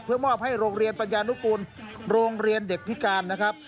เพื่อมอบให้โรงเรียนปัญญานุกูลโรงเรียนเด็กพิการนะครับ